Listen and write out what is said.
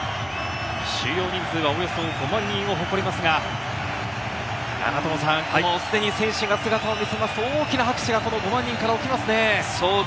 収容人数はおよそ５万人を誇りますが、既に選手が姿を見せますと大きな拍手が５万人から起きますね。